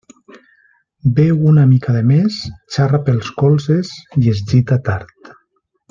Beu una mica de més, xarra pels colzes i es gita tard.